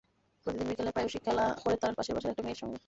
প্রতিদিন বিকেলে প্রায়সী খেলা করে তার পাশের বাসার একটা মেয়ের সঙ্গে।